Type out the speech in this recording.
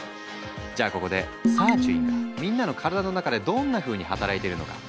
じゃあここでサーチュインがみんなの体の中でどんなふうに働いてるのか。